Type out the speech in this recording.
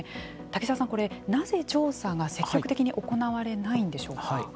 滝沢さん、なぜ調査が積極的に行われないんでしょうか。